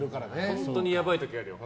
本当にやばい時あるよ。